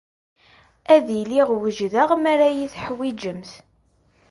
Ad iliɣ wejdeɣ mi ara iyi-teḥwijemt.